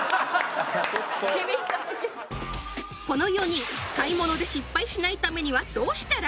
このように買い物で失敗しないためにはどうしたら？